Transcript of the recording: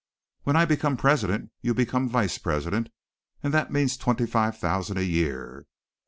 "When I become president, you become vice president, and that means twenty five thousand a year."